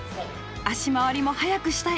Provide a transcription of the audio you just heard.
足回りもはやくしたい。